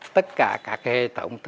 tất cả các hệ thống